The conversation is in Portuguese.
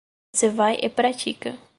Você vai e pratica.